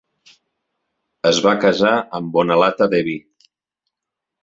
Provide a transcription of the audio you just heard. Es va casar amb Bonalata Devi.